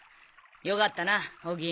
よかったなお銀。